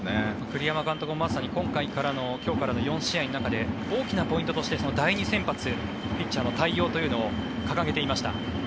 栗山監督もまさに今日からの４試合の中で大きなポイントとして第２先発ピッチャーの対応というのを掲げていました。